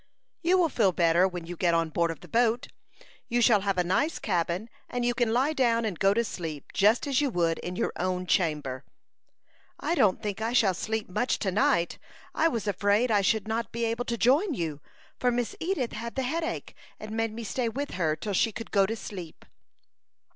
"You will feel better when you get on board of the boat. You shall have a nice cabin, and you can lie down and go to sleep just as you would in your own chamber." "I don't think I shall sleep much to night. I was afraid I should not be able to join you, for Miss Edith had the headache, and made me stay with her till she could go to sleep."